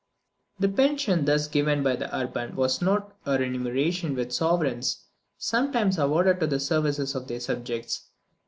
The pension thus given by Urban was not a remuneration which sovereigns sometimes award to the services of their subjects.